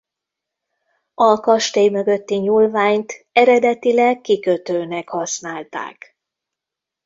A kastély mögötti nyúlványt eredetileg kikötőnek használták.